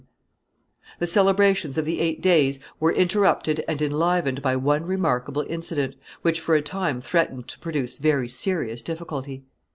] The celebrations of the eight days were interrupted and enlivened by one remarkable incident, which for a time threatened to produce very serious difficulty.